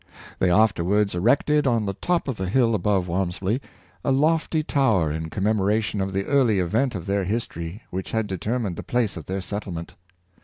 They afterwards True Benevolence 61 t> erected, on the top of the hill above Walmesley, a lofty tower in commemoration of the early event of their his tory which had determined the place of their settle ment.